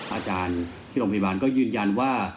อาจารย์ที่โรงพยาบาลก็ยืนยันว่า